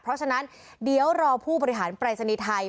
เพราะฉะนั้นเดี๋ยวรอผู้บริหารปรายศนีย์ไทย